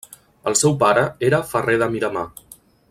El seu pare era Ferrer de Miramar.